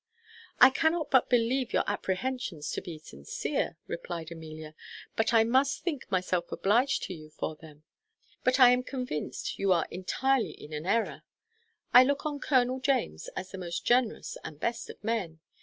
"I cannot but believe your apprehensions to be sincere," replied Amelia; "and I must think myself obliged to you for them; but I am convinced you are entirely in an error. I look on Colonel James as the most generous and best of men.